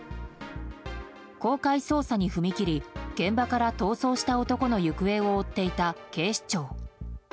公開捜査に踏み切り現場から逃走した男の行方を追っていた警視庁。